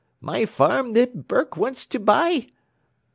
My farm that Burke wants to buy?"